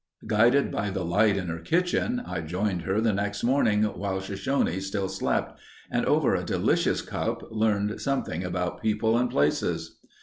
Guided by the light in her kitchen, I joined her the next morning while Shoshone still slept, and over a delicious cup learned something about people and places.